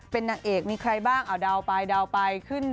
เป็นนางเอกมีใครบ้างเอาเดาไปเดาไปขึ้น